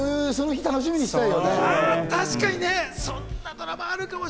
その日、楽しみにしたいよ